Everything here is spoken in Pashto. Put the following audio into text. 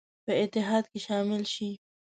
په اتحاد کې شامل شي.